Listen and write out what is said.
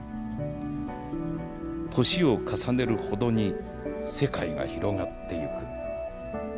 年を重ねるほどに世界が広がっていく。